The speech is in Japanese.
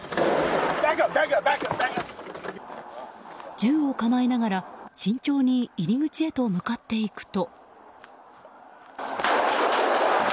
銃を構えながら慎重に入口へと向かっていくと。